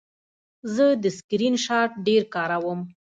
زه د سکرین شاټ ډېر کاروم.